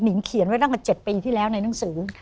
งเขียนไว้ตั้งแต่๗ปีที่แล้วในหนังสือ